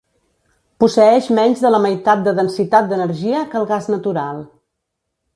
Posseeix menys de la meitat de densitat d'energia que el gas natural.